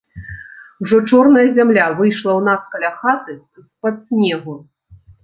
Ужо чорная зямля выйшла ў нас каля хаты з-пад снегу.